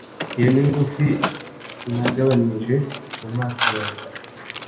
Iyo ni ngufi nagabanije mu maso yanjye